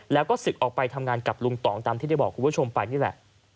แล้วก็ศึกออกไปทำงานกับลุงต่องตามที่ได้บอกคุณผู้ชมไปนี่แหละ